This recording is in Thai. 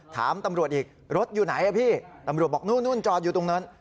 ถามตำรวจอีกรถอยู่ไหนพี่ตำรวจบอกนู่นจอดอยู่ตรงนั้น